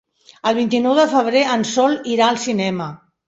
El vint-i-nou de febrer en Sol irà al cinema.